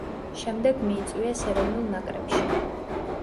შემდეგ მიიწვიეს ეროვნულ ნაკრებში.